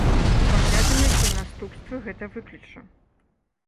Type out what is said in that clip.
Паглядзім, якія наступствы гэта выкліча.